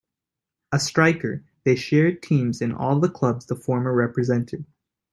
A striker, they shared teams in all the clubs the former represented.